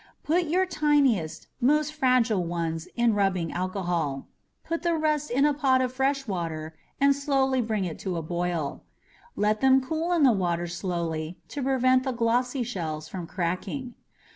Put your tiniest, most fragile ones in rubbing alcohol. Put the rest in a pot of fresh water and slowly bring it to a boil. Let them cool in the water slowly to prevent the glossy shells from cracking.